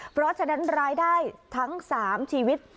เพราะฉะนั้นรายได้ทั้ง๓ชีวิต